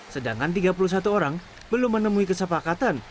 sedangkan tiga puluh satu orang belum menemui kesepakatan